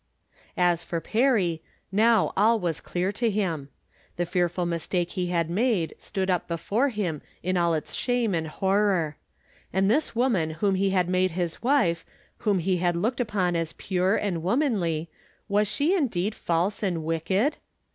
As for Perry, now all was clear to him. The fearful mistake he had made stood up before him in aU its shame and horror. And this woman whom he had made his wife, whom he had looked upon as pure and womanly, was she indeed false and wicked